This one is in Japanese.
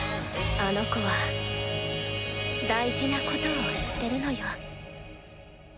あの子は大事なことを知ってるのよ。